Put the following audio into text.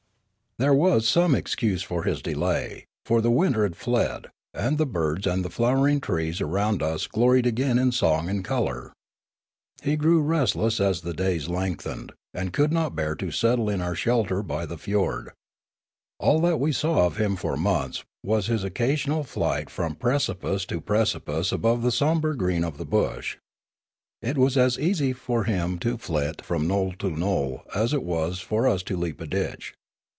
There was some excuse for his delay, for the winter had fled, and the birds and the flowering trees around us gloried again in song and colour. He grew restless as the days lengthened, and could not bear to settle in our shelter by the fiord. All that we saw of him for months was his occasional flight from precipice to precipice above the sombre green of the bush. It was as easy for him to flit from knoll to knoll as it was for us to leap a ditch.